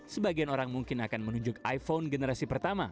sebagian orang mungkin akan menunjuk iphone generasi pertama